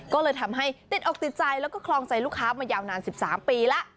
ก็เลยทำให้ติดอกติดใจแล้วก็คลองใจลูกค้ามายาวนาน๑๓ปีแล้ว